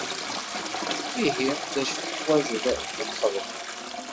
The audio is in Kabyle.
Ihi d acu i teḥwajeḍ ad t-txedmeḍ?